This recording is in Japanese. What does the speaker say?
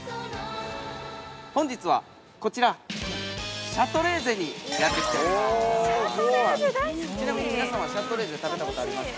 ◆本日は、こちらシャトレーゼにやってきております。